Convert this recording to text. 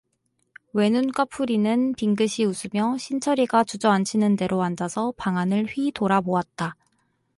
외눈까풀이는 빙긋이 웃으며 신철이가 주저앉히는 대로 앉아서 방 안을 휘 돌아보았다.